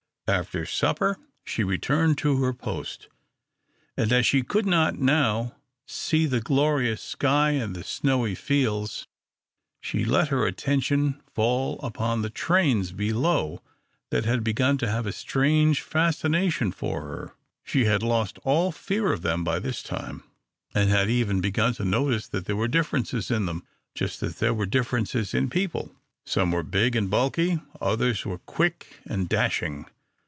After supper she returned to her post, and, as she could not now see the glorious sky and the snowy fields, she let her attention fall upon the trains below that had begun to have a strange fascination for her. She had lost all fear of them by this time, and had even begun to notice that there were differences in them just as there were differences in people. Some were big and bulky, others were quick and dashing.